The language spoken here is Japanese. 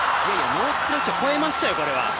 ノースプラッシュを超えましたよ、これは。